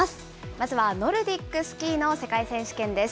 まずはノルディックスキーの世界選手権です。